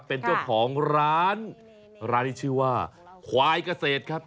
เป็นเจ้าของร้านร้านนี้ชื่อว่าควายเกษตรครับ